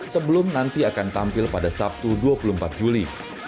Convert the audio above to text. sebelum nanti akan tampil pada sabtu dua puluh empat juli